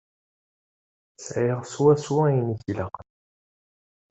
Sεiɣ swaswa ayen i k-ilaqen.